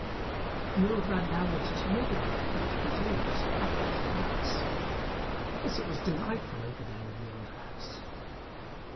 The old man now went into the other room to fetch preserves, apples, and nuts yes, it was delightful over there in the old house.